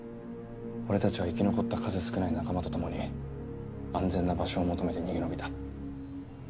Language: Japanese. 俺たちは生き残った数少ない仲間と共に安全な場所を求めて逃げ延びた。